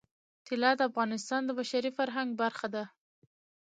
طلا د افغانستان د بشري فرهنګ برخه ده.